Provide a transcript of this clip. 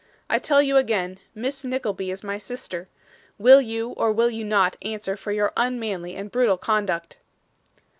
I tell you again, Miss Nickleby is my sister. Will you or will you not answer for your unmanly and brutal conduct?